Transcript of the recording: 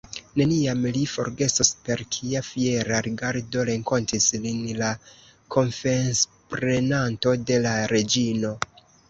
Neniam li forgesos, per kia fiera rigardo renkontis lin la konfesprenanto de la reĝino.